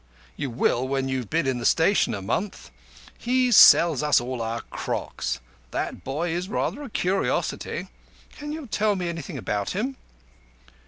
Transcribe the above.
"You will when you have been in the station a month. He sells us all our crocks. That boy is rather a curiosity. Can you tell me anything about him?"